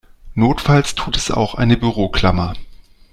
Notfalls tut es auch eine Büroklammer.